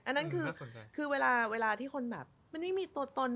อันนั้นคือเวลาที่คนแบบมันไม่มีตัวตน